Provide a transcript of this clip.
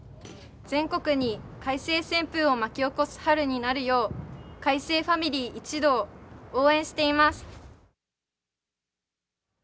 全国に海星旋風を巻き起こす春になるよう海星ファミリー、一同応援しています。